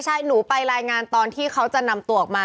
ใช่หนูไปรายงานตอนที่เขาจะนำตัวออกมา